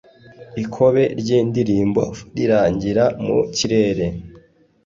Ikobe ry’ indirimbo, Rirangira mu kirere